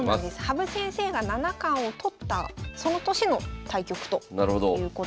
羽生先生が七冠を取ったその年の対局ということです。